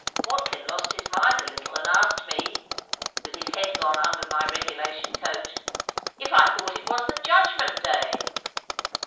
Watkin lost his mind a little, and asked me (with his head gone under my regulation coat) if I thought it was the judgment day.